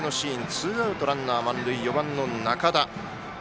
ツーアウト、ランナー満塁４番の仲田。